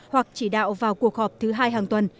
hoặc chỉ đạo vào cuộc họp thứ hai hàng tuần